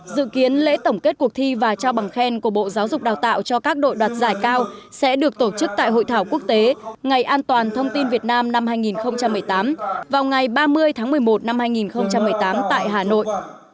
dự kiến lễ tổng kết cuộc thi và trao bằng khen của bộ giáo dục đào tạo cho các đội đoạt giải cao sẽ được tổ chức tại hội thảo quốc tế ngày an toàn thông tin việt nam năm hai nghìn một mươi tám vào ngày ba mươi tháng một mươi một năm hai nghìn một mươi tám tại hà nội